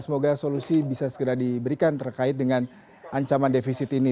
semoga solusi bisa segera diberikan terkait dengan ancaman defisit ini